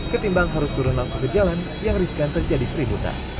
ketimbang harus turun langsung ke jalan yang riskan terjadi keributan